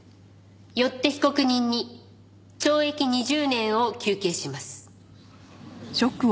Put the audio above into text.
よって被告人に懲役２０年を求刑します。